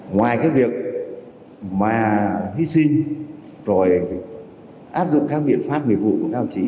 ngoài các việc mà hy sinh rồi áp dụng các biện pháp nghiệp vụ của các học trí